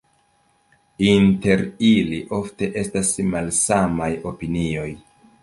Inter ili ofte estas malsamaj opinioj.